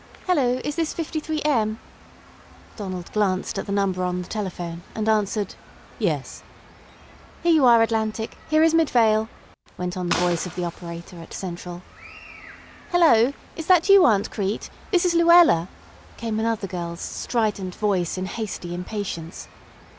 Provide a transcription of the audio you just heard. "Hello; is this 53 M?" Donald glanced at the number on the telephone, and answered, "Yes." "Here you are, Atlantic. Here is Midvale," went on the voice of the operator at central. "Hello! Is that you Aunt Crete? This is Luella," came another girl's strident voice in hasty impatience.